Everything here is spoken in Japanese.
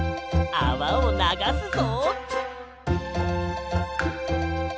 あわをながすぞ。